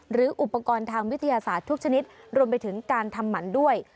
หรืออุปกรณ์ทางวิทยาศาสตร์ทุกชนิดรวมไปถึงการทำหมันด้วย